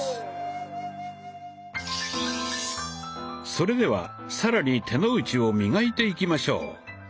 それでは更に手の内を磨いていきましょう。